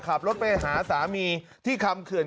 การนอนไม่จำเป็นต้องมีอะไรกัน